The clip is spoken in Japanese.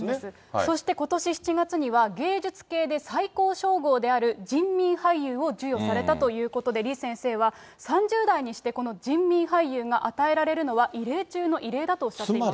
そしてことし７月には、芸術系で最高称号である人民俳優を授与されたということで、李先生は、３０代にしてこの人民俳優が与えられるのは、異例中の異例だとおっしゃっています。